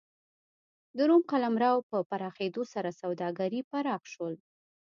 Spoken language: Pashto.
د روم قلمرو په پراخېدو سره سوداګري پراخ شول